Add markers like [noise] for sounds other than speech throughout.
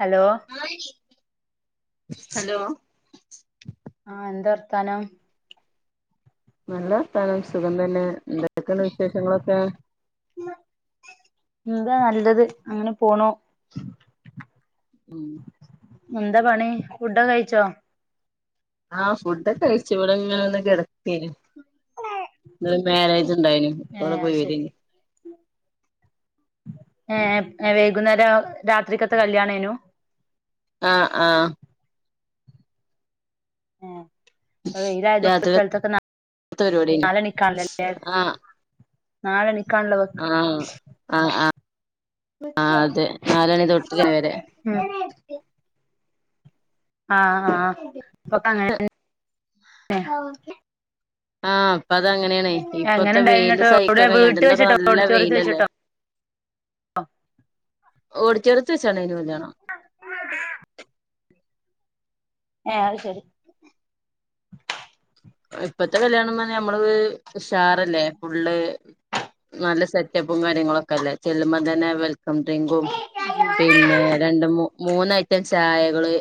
Hello ആ hello ആ എന്താ വർത്താനം? നല്ല വർത്താനം സുഖം തന്നെ എന്തക്കെണ്ട് വിശേഷങ്ങളൊക്കെ? എന്താ നല്ലത് അങ്ങനെ പോണു. ഉം എന്താ പണി ഫു‌ഡോക്കെ കയ്ച്ചോ? ആഹ ഫു‌ഡോക്കെ കഴിച്ച് വിടെങ്ങനെ ഒന്ന് കിടക്കേനി ഇന്ന്മാര്യേജ് ണ്ടായിനി അവ്ടെ ഏഹ് അത് ശരി പോയിവരെനി ഏ വൈകുന്നേരം രാത്രിക്കെത്തെ കല്യാണേനു ആ ആ ഏ ഇപ്പൊ വെയിലായതോണ്ട് രാത്രിത്തെ സ്ഥലത്തൊക്കെ പരിപാടിയേനു നാലെണിക്കാണല്ലേ നാലരക്ക് ആ ആആ ആ വെക്ക് അതെ നാലണി തൊട്ട് നേരെ ആ ആ ഇപ്പൊക്കെ അങ്ങനെ ആ പ്പതങ്ങനെയാണേ ഇപ്പത്തെ വെയില് ഉണ്ടായിരുന്നിട്ട് എവിടെ സഹിക്കാൻ കഴിയാണ്ട് വീട്ടിൽ ന്നൊ ക്കെ വെച്ചിട്ടോ നല്ല ഓഡിറ്റോറിയത്തിൽ വെയിലല്ലേ വെച്ചിട്ടോ ഓടിറ്റോറിയത്ത് വെച്ചാണോ കല്യാണം ഏ അത് ശരി ഇപ്പഴത്തെ കല്യാണംന്ന് പറഞ്ഞ നമ്മള് ഉഷാറല്ലേ ഫുള്ള് നല്ല സെറ്റപ്പും കാര്യങ്ങളൊക്കെല്ലേ ചെല്ലുമ്പോ തന്നെ വെ വെൽക്കം ഡ്രിങ്കും പിന്നെ രണ്ട് മൂ മൂന്നയ്റ്റം ചായകള്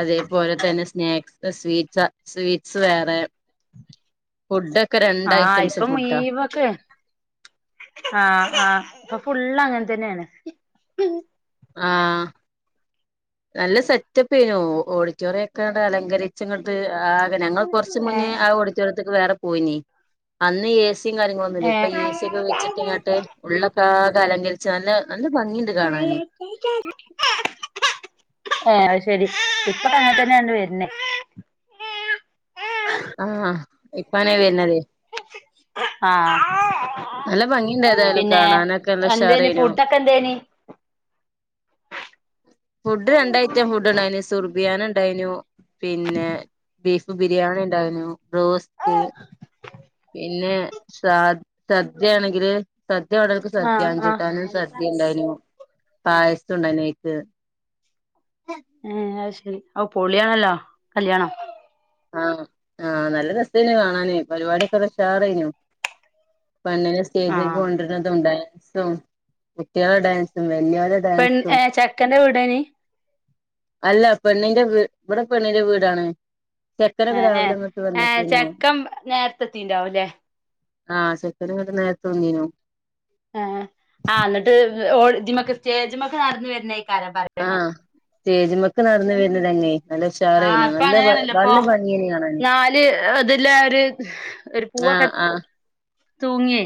അതേപോലെ തന്നെ സ്നാക്സ് സ്വീറ്റ്സ് സ്വീറ്റ്സ് വേറെ ഫുഡ്‌ ആ ഇപ്പൊ മുയ്വൊക്കെ ആ ആ പ്പൊ ഫുള്ള് അങ്ങൻതന്നേണ് ആ നല്ല സെറ്റപ്പെയ്നു ഓഡിറ്റോറിയക്കെണ്ട് അലങ്കരിച്ച് ങ്ങ ട്ട് ആകെ ഞങ്ങള് കൊറച്ച് മുന്നേ ഏഹ് ആ ഓടിച്ചടുത്തക്ക് വേറെ പോയിനി അന്ന് ഏ സിം കാര്യങ്ങളൊന്നും ഇല്ലേനി പ്പൊ ഏഹ് ഏസിയൊക്കെ വെച്ചട്ട്ങ്ങട്ട് ഉള്ളൊക്കാ ലങ്കരിച്ച നല്ല ന ന ക കേ [unintelligible] ഏ അത്ശെരി ഇപ്പ അങ്ങനെ തന്നെയാണ് വര്ണേ ആ ഹ ഇപ്പാനെവര്നതേ ആ നല്ല ഭംഗിണ്ട് ഏതായാലും കാണാനൊക്കെ എന്തേനി നല്ലഷാറെയ്നു ഫുഡൊക്കെ എന്തേനി ഫുഡ് രണ്ടയ്‌റ്റം ഫുഡ്ണ്ടായ്നി സുർ ബിയാനുണ്ടായിനു പിന്നെ ബീഫ് ബിരിയാണിണ്ടായ്നടു ബ്രോസ്റ്റ് പിന്നെ സാ സദ്യയാണെങ്കില് സദ്യ വേണ്ടോൽക്ക് സദ്യ ആഹ് ആഹ് അഞ്ചൂട്ടാനും സ ണ്ടായ്നു പായസുണ്ടായ്നയ്ക്ക് ഉം അശ ഔപൊളിയാണല്ലോ കല്യാണം ആ ആ നല്ല രസേനു കാണാന് പരിപാടിക്കല്ലഷാറേയ്നു പെണ്ണ്നെ സ്റ്റേജക്ക് ആഹ് കൊണ്ടര്ണതുണ്ടായി സും കുട്ട്യേളെ ഡാൻസും വല്യോലെ പെൺ ഡാൻസും ഏ ചെക്കന്റെ വീടേനി അല്ല പെണ്ണിന്റെ വീ വടെ പെണ്ണിന്റെ വീടാണ് എ ചെക്കനൊക്കെ ഏ രാവിലെ ഇങ്ങട്ട് ഏ വന്നക്കേനു ചെക്കം നേരത്തെത്തിണ്ടാവുംല്ലേ ആ ചെക്കന്ങ്ങട്ട് നേരത്തെ വന്നീനു ആഹ ആ ന്ന്ട്ട് ഓൾ ത് മക്ക് സ്റ്റേജ്മക്ക് നടന്ന് വര്‌നേ ആ സ്റ്റേജ്മക്ക് നടന്നു വരുന്നന്നെ ആഹ് നല്ലഷാറേനു ഇപ്പൊ നല്ല അങ്ങനെയാണല്ലോ ഇപ്പൊ നല്ല ഭംഗിയേനി കാണാന് നാല് ഇതിലെ ഒരു ആ ആ തൂങ്ങേ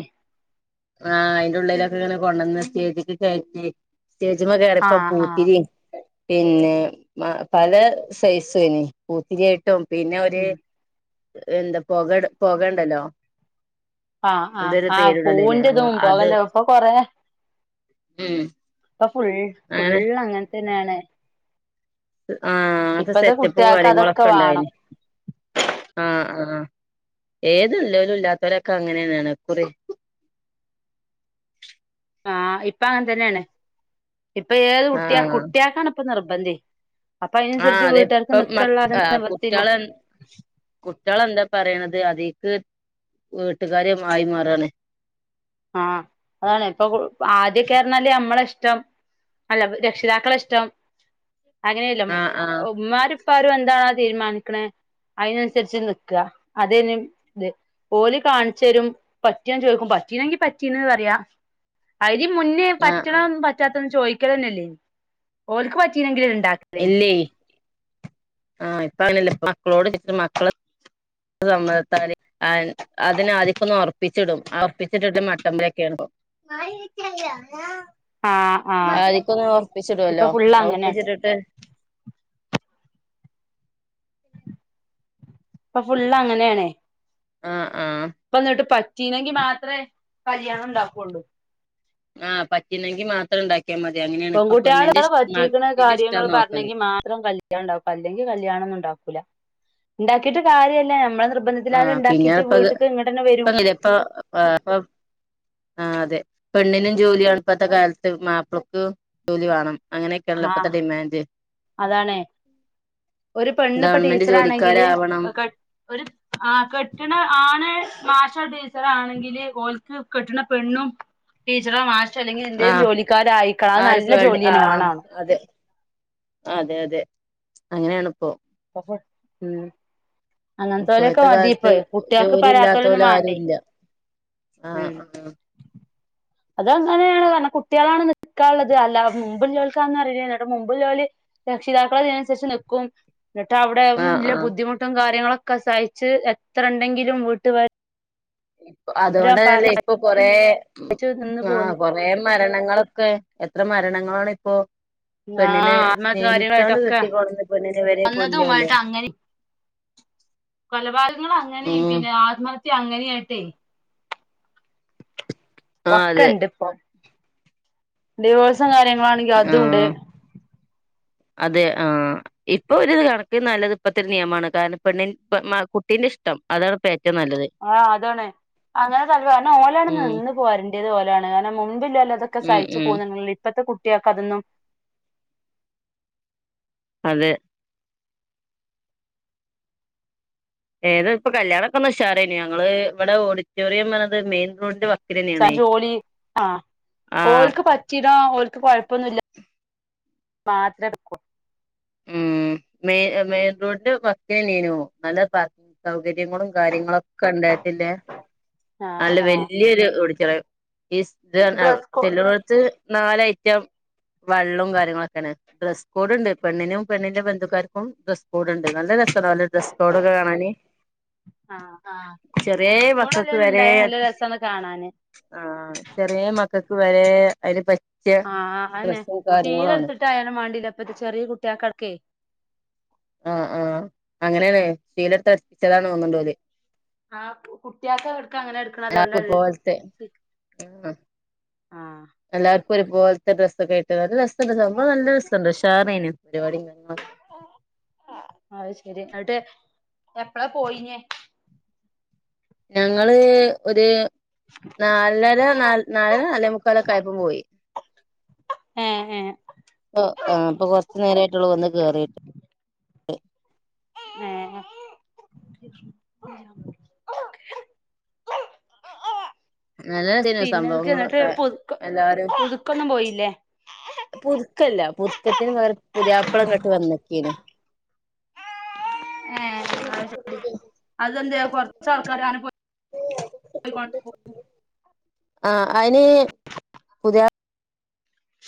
ആഹ് അയിന്റെ ഉള്ളിലൊക്കെ ഇങ്ങനെ കൊണ്ടന്ന് സ്റ്റേജ്ക്ക് കയറ്റി സ്റ്റേജ്മ്മ കേറിയപ്പ ആഹ് ആഹ് പൂത്തിരി പിന്നെ പല സൈസു ഏനും പൂത്തിരിയായിട്ടും പിന്നെ ഒരു ഉം എന്താ പൊകട് പൊകണ്ടല്ലോ? ആ ആ എന്തൊരു ആ പേരുണ്ടല്ലോ പൂൻ അയിന് ന്റെ ആഹ് ഇതും പൊക അത് നൊക്കെ കൊറേ ഉം ഇപ്പ ഫുൾ ഫുൾ അങ്ങനെ തന്നാണ് ആ അത് സെറ്റപ്പും അതൊക്കെ കാര്യങ്ങളൊക്കെ വേണം ഇണ്ടായിന്. ആ ആ ഏത് ഇല്ലവലും ഇല്ലാത്തവരൊക്കെ അങ്ങനെന്നാണ് കുറെ ആ ഇപ്പ അങ്ങൻ തന്നെയാണ്. ഇപ്പ ഏത് കുട്ടിയാ, കുട്ടിയാക്കാണ് ഇപ്പൊ നിർ ബന്തേ ആ അതെപ്പ മ ആഹ് നിവർത്തിയില്ല കുട്ടികളെ, കുട്ടികളെന്താ പറയണത് ത് അതീക്ക് വീട്ടുകാരും മായി മാറാണ് ആ അതാണ് ഇപ്പൊ ആദ്യക്കെ പറഞ്ഞാല് നമ്മളെ ഇഷ്ടം, അല്ല രക്ഷിതാക്കളെ ഇഷ്ടം അങ്ങനെയല്ല ആഹ് ആഹ് ഉമ്മാരും ഉപ്പാരും എന്താണ തീരുമാനിക്കണേ അതിനന്സരിച്ച് നിക്ക. അതേനും ഇത്. ഓല് കാണിച്ചരും പറ്റിയോന്ന് ചോദിക്കും, പറ്റ് പറ്റീനെങ്കി പറ്റീനെന്ന് പറയ്യാ. അയി ഈ മുന്നേ ആഹ് ആഹ് പറ്റണം പറ്റാത് ചോയിക്കലന്നെ ഇല്ലേനു. ഓൽക്ക് പറ്റീനെങ്കിലെ ഇല്ലേ. ആഹ് ഇപ്പങ്ങനല്ല ഇപ്പ ക്കളോട് ചോയിച്ച് മക്കള് സമ്മതത്താല് അയ് അതിനാദ്യൊക്കൊന്ന് ഒറപ്പിച്ചിടും. ആ ഒറപ്പിച്ചിട്ടിട്ട് മട്ടമ്പെലെക്കയാണിപ്പം. ആഹ് ആ. ആദ്യക്കൊന്ന് ഇപ്പൊ ഒറപ്പിച്ചിടുവല്ലോ ഫുള്ളങ്ങനാ ഒറപ്പിച്ചിട്ടിട്ട് ഇപ്പ ഫുള്ളങ്ങനെയാണേ ആ ഇപ്പന്നിട്ട് പറ്റ് റ്റീനങ്കി മാത്രേ കല്യാണണ്ടാക്കൂള്ളു. ആ പറ്റ്ന്നെങ്കി മാത്രണ്ടാക്കി പെൺകുട്ടികള പറ്റീക്കണ കുട്ടീന്റെ ഇഷ്ടാ കാര്യങ്ങൾ നോക്കല് പറഞ്ഞെങ്കി മാത്രം കല്യാണം ഇണ്ടാക്കും, അല്ലെങ്കി കല്യാണൊന്നും ഇണ്ടാക്കു ക്കുല. ഇണ്ടാക്കീട്ട് കാര്യല്ല. നമ്മളത് ആഹ് പിന്നെപ്പൊത്, വരും ഇപ്പങ്ങിനെ ഇപ്പൊ ആ അതെ പെണ്ണിനും ജോലിയാണ് ഇപ്പഴത്തെ കാലത്ത് മാപ്പിളക്ക് ജോലി വേണം അങ്ങനെയൊക്കെള്ളപ്പത്തെ ഡിമാൻഡ് അതാണേ ഒരു പെണ്ണ് ഇപ്പ ഗവൺമെന്റ് ടീച്ചറാണെങ്കില് ജോലിക്കാരാവണം കെട്ഒരു ആ കെട്ടണ ആണ്- മാഷാണെങ്കില് ചറാണെങ്കില് ഒ [inaudible] ല് കെട്ടുന്ന പെണ്ണും ടീച്ചറാക്കരം [inaudible] അല്ലെങ്കിൽ എന്തേയ്‌ലും ആഹ് ജോലിക്കാരായിക്കണം. അത് ആ ഒരു നല്ല ഫീൽഡ് ജോലിയന്നേ ആഹ് വേണാണോ അതെ അതെ അതെ അങ്ങനേണ്പ്പൊ ഉം അങ്ങനത്തോലൊക്കെ ഇപ്പോഴത്തെ മതി ഇപ്പ കാലത്ത് കുട്ടികൾക്ക് ഇപ്പ ജോലി അല്ലാത്തോലൊന്നും വേണ്ടേ ഇല്ലാത്തോലാരൂല്ല ആഹ് ആഹ് അതങ്ങനേണ് കാരണം കുട്ടികളാണ് നിക്കാള്ളത് അല്ല മുമ്പ് ല്ലോര്ക്ക്‌ അതൊന്നും അറീല്ലല്ലോ ന്ന്ട്ട് മുമ്പ് ല്ലോര് രക്ഷിതാക്കൾ അതിനു അനുസരിച്ചു നിൽക്കും. എന്നിട്ട് വും ആഹ് അവ്ടെല്ല ആഹ് ബുദ്ധിമുട്ടും കാര്യങ്ങളൊക്കെ- ഒക്കെ സഹിച്ച് എത്രണ്ടെങ്കിലും വീട്ട് വേല - അതോണ്ടന്നല്ലേ ഇപ്പൊ കൊറേ സഹിച്ച് നിന്ന് ഊം ആഹ് പോന്ന് കൊറേ മരണങ്ങളൊക്കെ എത്ര മരണങ്ങളാണ് ഓ ആഹ് ആത്മഹത്യാ കാര്യങ്ങളായിട്ടൊക്കെ കെട്ടിക്കൊടന്ന് പെണ്ണിനെ വരെ കൊല്ലല്ലേ കൊന്നതായിട്ടങ്ങനീം കൊലപാതകങ്ങള് അങ്ങനേം ഉം പിന്നെ ആത്മ- അങ്ങന്നായിട്ടയ്- ആഹ് അതെ ഒക്കെണ്ട്പ്പൊ ഡിവോഴ്‌- കാര്യങ്ങളാണെങ്കി അതൂണ്ട് ആഹ് അതെ ആഹ് ഇപ്പൊ ഒര്കണക്കിന് നല്ലത് ഇപ്പത്തോരു നിയമമാണ് കാരണം പെണ്ണി കുട്ടീന്റെ ഇഷ്ടം അതാണ് പ- ആഹ് അതാണ് അങ്ങനെ കാലംവരണം കാരണം ഓലാണ് ഉം നിന്ന് പോരൺണ്ടത് ഇത് പോലേണ് കാരണം ഹും ല്ലല്ലോ തൊക്കെ ഉം സഹിച്ചു ഉം പോകുന്നത് ഇപ്പത്തെ കു കുട്ട്യാക്കതൊന്നും- അതെ ഏത് ഇപ്പ കല്യാണോക്കൊന്ന് ഉഷാറായീണ് ഞങ്ങള് വടെ ഓഡിറ്റോറിയം വന്നത് മെയിൻ റോഡിന്- ച്ച ജോലി ആഹ് ആഹ് ഓല്ക്ക് പറ്റിതാ ഓല്ക്ക് കൊഴപ്പൊന്നൂല മാത്രട്ക്കും മെയ്ന് മെയിൻ റോഡിന്റ വക്കിനെന്നേര്ന്നു നല്ല പാർക്കിങ് സൗകര്യ ങ്ങളും കാര്യങ്ങളൊക്കെണ്ടായിട്ടില്ലേ ആഹ് നല്ല ആഹ് വല്യൊരു- [unintelligible] ഈസ് ഇത് [unintelligible] ഡ്രസ് കോ ചെല്ണോട്ത്ത് നാലഐറ്റം വെള്ളോം കാര്യങ്ങളൊക്കേണ് ഡ്രസ്സ് കോഡ്ണ്ട് പെണ്ണിനും പെണ്ണിന്റെ ബന്ധു - ക്കാര്ക്കും ഡ്രസ്സ്‌കൊഡ്ണ്ട് നല്ല രസ- രസാല്ലേ ഡ്രസ്സ്‌കോഡോക്കെ കാണാന് ആഹ് ആഹ് ചെറ്യേ ഡ്രസ് കോഡ് മക്കക്ക് അല്ലേലും ഉണ്ടായ വരേണ്ട്‌ നല്ല രസാണ് കാണാന് ആ ആ ചെറ്യേ മക്കക്ക് വരേ ഏ ഐല് പറ്റി ആഹ് അയന്നെ ഷീല ഇട്ത്ത്ട്ടായാലും വേണ്ടീല്ല പ്പത്തെ ചെറ്യേ കുട്ട്യാക്കട്ക്കേയ് ആ ആ അങ്ങനെയല്ലേ ശീലത്തെ ആ കുട്ടിയാക്കോക്കെ എടുക്ക അങ്ങനെ എ എല്ലാവർക്കും പോൽത്തെെ ആ ആഹ് എല്ലർക്ക ഒരുപോൽത്തെ ഡ്രസ്സൊക്കെട്ട് നല്ല രസുണ്ട് സംഭവം നല്ല രസുണ്ട് ഉഷറേനി പരിപാടി ക്കെ കാണാൻ അത് ശരി എന്നിട്ട് എപ്പളാ പോയിനിയേ ഞങ്ങള് ഒരു നാലര ന നാലര നാലേ മുക്കാലൊക്കെ ആയപ്പം പോയി ഏഹ് ഏഹ് അപ്പൊ കൊർച്ചുനേരായിട്ടൊള്ളൂ വെന്ന് കേറിട്ട് ആ നല്ലതേനു പിന്നെക്ക് ന്നിട്ട് സംഭവങ്ങളൊക്കെ പുതുക്ക എല്ലാരും പുതുക്കൊന്നും പോയില്ലേ പുതുക്കല്ല പുതുക്കത്തിന് വേ പുതിയാപ്പള ഇങ്ങട്ട് വന്നക്കേനു ഏഹ് അതെന്താ കൊറച്ച് ആൾക്കാര് അങ്ങനെ പോയി ആ അയിന് പുതിയാ [unintelligible]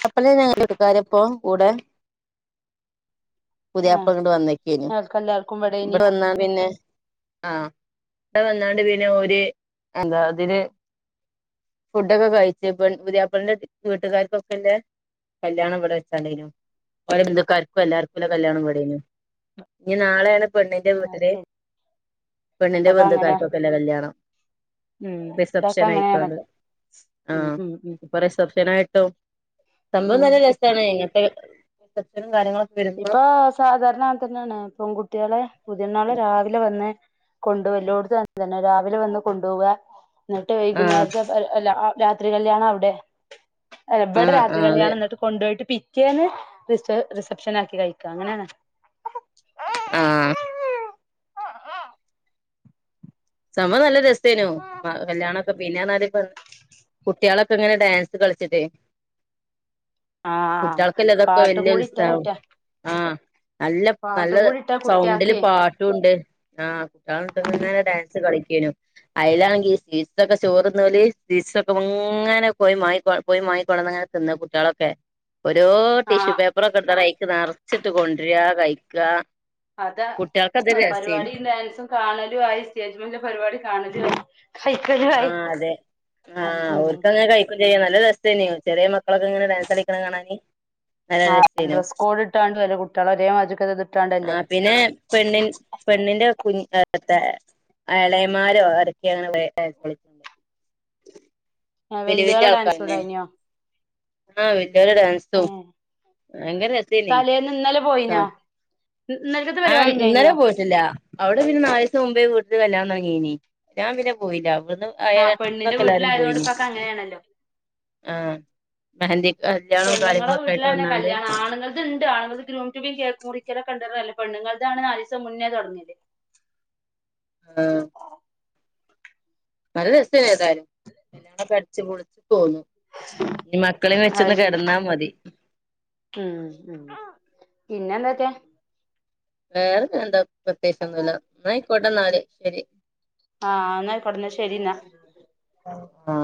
അപ്പളേ ഞങ്ങൾ വീട്ടുകാരെ ഒപ്പം കൂടെ [unintelligible] ആഹ് പുതിയാപ്പളങ്ങട്ട് വന്നക്കേഞ്ഞു ആൾക്കെല്ലാർക്കും ഇവിടേനി ഇവിടെ വന്നാ പിന്നെ ആ ഇടെ വന്നാണ്ട് പിന്നെഓര് എന്താ അതിന് ഫുഡൊക്കെ കഴിച്ച് പുതിയാപ്പൾന്റെ വീട്ടുകാർക്കൊക്കെല്ല കല്യാണം ഇവിടെ വെച്ചാണ്ടെനും ഒലെ ബന്ധുക്കാർക്ക് എല്ലാർക്കും കല്യാണം ഇവിടേനി ഇനി നാളെയാണ് പെണ്ണിന്റെ ആഹ് വീട്ടില് ശരി പെണ്ണിന്റെ ഇപ്പൊക്കെ അങ്ങനെ ബന്ധുക്കാർക്കൊല്ലേ കല്യാണം ഉം ഇതൊക്കെ റിസപ്ഷൻ അങ്ങനെയാണ് ആയിക്കാണ്ട് ആ ഉം ഉം ഉം ഇപ്പൊ റിസപ്ഷൻ ആയിട്ടോ സംഭവം ഉം നല്ല രസാണ് ഇങ്ങനത്തെ കാര്യങ്ങളൊ [unintelligible] ഇപ്പൊ സാധാരണ അ തന്നെയാണ് പെൺകുട്ടികള് പുതിയണ്ണള് രാവിലെ വന്ന് കൊണ്ട് യല്ലോട്ത്തും അങ്ങനെ തന്നെ അവര് വന്ന് കൊണ്ടോവാ എന്നിട്ട് ആഹ് വൈകുന്നേരത്തെ അല്ല രാത്രി കല്യാണം അവിടെ ഇവിടെ ആഹ് രാത്രി ആഹ് അതെ കല്യാണം എന്നിട്ട് കൊണ്ടോയിട്ട് ക്കേ റിസ റിസപ് സെപ്ഷൻ ആക്കി കഴിക്ക അങ്ങനെയാണ് ആ സംഭവം നല്ല രസേനു കല്യാ പിന്നെയാണ് ആദ്യപ്പ കുട്ടികളൊക്കെ എങ്ങനെ ഡാൻസ് കളിച്ചിട്ടേ ആഹ് കുട്ടികൾക്കെല്ലാം ഇതൊക്കെ പാട്ടും വല്യ കൂടി ഇട്ടാ ഉത്സാവും കുട്ടിയ ആ നല്ല നല്ല പാട്ടും കൂടി ഇട്ടാ സൗണ്ടില് കുട്ടിയാക്കെ പാട്ടുംണ്ട് ആ [unintelligible] ഡാൻ കളിക്കെനു അയിലാണെങ്കീ [unintelligible] ക്കെ ചോറ്ന്നവര് സീസൊക്കെ ഇങ്ങനെ പോയി മാങ്ങി പോയി മാങ്ങക്കൊള്ളന്ന് അങ്ങനെ തിന്ന കുട്ടികളൊക്കെ ഓരോ ടിഷ്യൂ ആഹ് പേപ്പറൊക്കെ എ [unintelligible] നിറച്ചിട്ട് കൊണ്ടരാ കയിക്കാ അത പരിപാടി ഡാൻസും കാണലും ആയി സ് പരിപാടി കാണലുയി ആ അതെ ആ ഉം ഓൽക്കങ്ങനെ കഴിക്ക ചെയ്യ നല്ല രസല്ലയോ ചെറിയ മക്കളൊക്കെ ഇങ്ങനെ ഡാൻസ്സളിക്കണ കാണാന് നല്ല ആ രസേനു ഡ്രസ് കോഡ് ഇട്ടാണ്ട് വില കുട്ട ഒരേ മാതിരിക്കത് ആ ഇട്ടാണ്ടല്ലേ പിന്നെ പെണ്ണിൻ പെണ്ണിന്റെ കു [unintelligible] എളയന്മാരോ ആരൊക്കെയാണുള്ളേ ആ വല്യട ഡാൻസ് ഉണ്ടായിനോ ആഹ് വലിയോരെ ഡാൻസും ഏഹ് ഭയങ്കര റസീനീ തലേന്ന് ഇന്നലെ ആ പോയിനോ ഇന്നലക്കത്തെ ആ പരിപാടി ഉണ്ടായിനോ ഇന്നലെ പോയിട്ടില്ല അവിടെ പിന്നെ നാല് ദിസം മുമ്പേപോ ഇത് കല്യാണംങ്ങീനി ഞാൻ പിന്നെ പോയില്ല അവിടുന്ന് ആഹ് പെണ്ണിന്റെ എട്ടന്നൊക്കെ എല്ലാരും വീട്ടിലായതുകൊണ്ട് പോയിന് ഇപ്പൊക്കെ അങ്ങനെയാണല്ലോ ആ മെഹന്തി കല്യാണവും പെണ്ണുങ്ങളെ കാര്യങ്ങളൊക്കെ ആയിട്ട് വീട്ടിലാണ് വന്നാണ്ട് കല്ല്യാണം ആണങ്ങൾക്ക്ണ്ട് ആണുങ്ങൾക്ക് ആണ്ട് [unintelligible] മുറിക്കലൊക്കെണ്ട്ല്ലോ പെണ്ണുങ്ങൾതാണ് നാലീസം മുന്നേ തുടങ്ങല് ആ നല്ല രസെ ഏതായാലും കല്ല്യാണോക്കെ അടിച്ചുപൊളിച്ച് പൊന്നു മക്കള അത് വെച്ചൊന്ന് ശരി കിടന്നാ മതി ഉം ഉം പിന്നെന്താറ്റെ വേറെ എന്താ പ്രത്യേകിച്ചൊന്നില്ല [unintelligible] കൊട്ടന്നാല് ശരി ആഹ എന്ന കൊടന്ന ശരിന്നാ ആഹ്